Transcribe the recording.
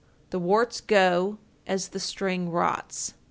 The warts go as the string rots.